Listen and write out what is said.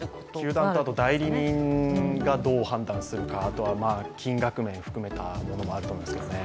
球団とあと代理人がどう判断するか、あとは金額面含めたものもあると思いますけどね。